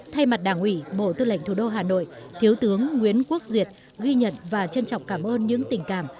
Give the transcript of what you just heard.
thay mặt đảng ủy bộ tư lệnh thủ đô hà nội thiếu tướng nguyễn quốc duyệt ghi nhận và trân trọng cảm ơn những tình cảm